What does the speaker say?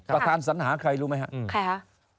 ประธานสัญหาใครรู้ไหมครับใครคะ